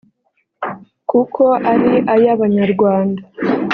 kuko ari ay’ abanyarwanda